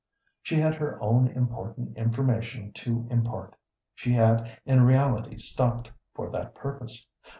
She had her own important information to impart. She had in reality stopped for that purpose.